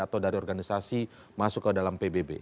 atau dari organisasi masuk ke dalam pbb